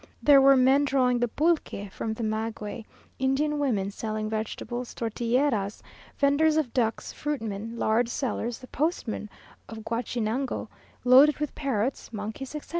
There were men drawing the pulque from the maguey, Indian women selling vegetables, tortilleras, venders of ducks, fruitmen, lard sellers, the postman of Guachinango, loaded with parrots, monkeys, etc.